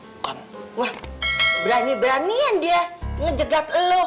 wah berani beranian dia ngecegat lo